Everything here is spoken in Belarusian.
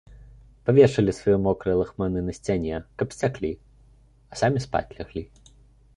Павешалі свае мокрыя лахманы на сцяне, каб сцяклі, а самі спаць ляглі.